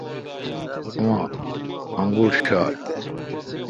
اوما انگیٹھ ݭال۔